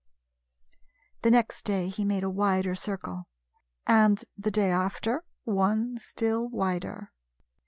The next day he made a wider circle ; and the day after one still wider.